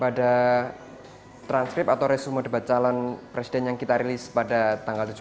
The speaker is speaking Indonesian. pada transkrip atau resumo debat calon presiden yang kita menulis kita tidak bisa menulisnya